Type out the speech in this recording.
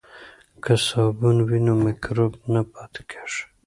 که صابون وي نو مکروب نه پاتې کیږي.